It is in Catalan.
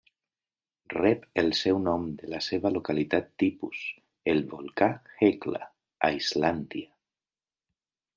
Rep el seu nom de la seva localitat tipus, el volcà Hekla, a Islàndia.